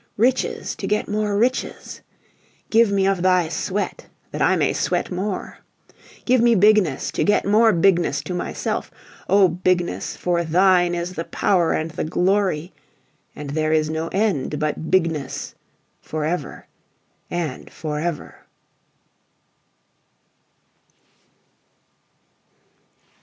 Riches to get more riches! Give me of thy sweat that I may sweat more! Give me Bigness to get more Bigness to myself, O Bigness, for Thine is the Power and the Glory! And there is no end but Bigness, ever and for ever!